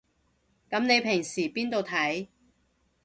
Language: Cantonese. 噉你平時邊度睇